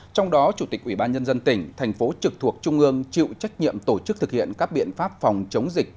trong đó chủ tịch ủy ban nhân dân tỉnh thành phố trực thuộc trung ương chịu trách nhiệm tổ chức thực hiện các biện pháp phòng chống dịch